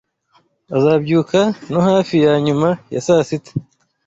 Azabyuka no hafi ya nyuma ya saa sita.